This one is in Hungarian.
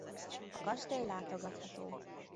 A kastély látogatható.